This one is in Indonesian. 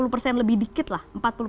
lima puluh persen lebih dikit lah